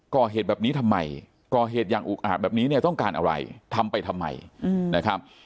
ก่อเหตุแบบนี้ทำไมก่อเหตุอย่างอุกอาจแบบนี้เนี่ยต้องการอะไรทำไปทำไมนะครับ